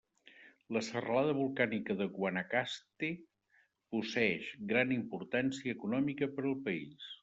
La serralada volcànica de Guanacaste posseeix gran importància econòmica per al país.